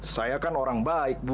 saya kan orang baik bu